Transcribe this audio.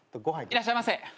いらっしゃいませ。